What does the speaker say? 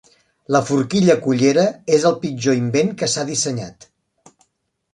La forquilla-cullera és el pitjor invent que s'ha dissenyat.